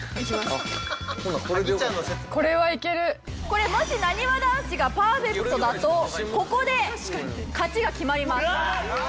これもしなにわ男子がパーフェクトだとここで勝ちが決まります。